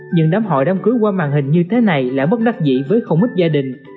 nhưng đám họ đám cưới qua màn hình như thế này là bất đắc dĩ với không ít gia đình